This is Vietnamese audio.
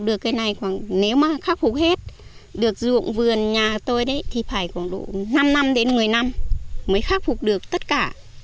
được cái này nếu mà khắc phục hết được ruộng vườn nhà tôi thì phải khoảng đủ năm một mươi năm mới khắc phục được tất cả